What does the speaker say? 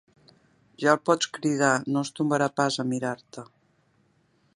Ja el pots cridar: no es tombarà pas a mirar-te.